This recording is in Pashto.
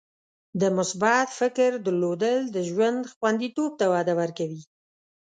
د مثبت فکر درلودل د ژوند خوندیتوب ته وده ورکوي.